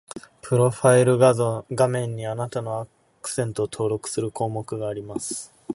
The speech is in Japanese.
プロファイル画面に、あなたのアクセントを登録する項目があります